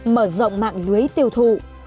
mở rộng mạng lưới tiêu thụ